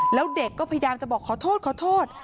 แล้วเด็กก็พยายามจะบอกขอโทษขอโทษ